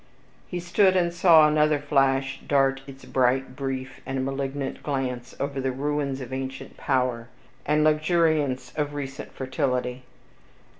He stood and saw another flash dart its bright, brief, and malignant glance over the ruins of ancient power, and the luxuriance of recent fertility.